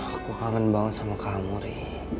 aku kangen banget sama kamu ri